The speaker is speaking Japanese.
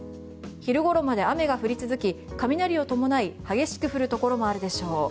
昼頃まで雨が降り続き雷を伴い激しく降るところもあるでしょう。